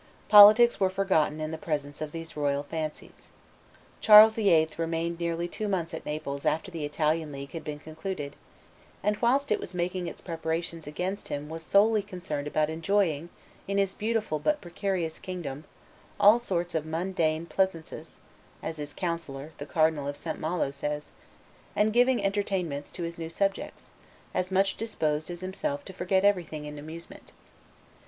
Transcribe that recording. Politics were forgotten in the presence of these royal fancies. Charles VIII. remained nearly two months at Naples after the Italian league had been concluded, and whilst it was making its preparations against him was solely concerned about enjoying, in his beautiful but precarious kingdom, "all sorts of mundane pleasaunces," as his councillor, the Cardinal of St. Malo, says, and giving entertainments to his new subjects, as much disposed as himself to forget everything in amusement.